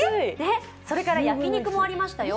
それから焼き肉もありましたよ